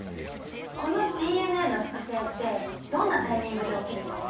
このＤＮＡの複製ってどんなタイミングで起きると思う？